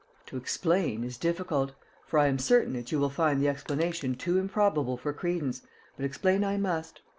To explain is difficult, for I am certain that you will find the explanation too improbable for credence, but explain I must.